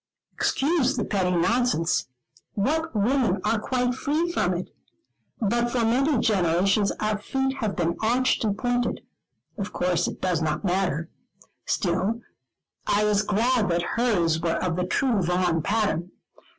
Excuse the petty nonsense what women are quite free from it? but for many generations our feet have been arched and pointed: of course it does not matter; still I was glad that hers were of the true Vaughan pattern.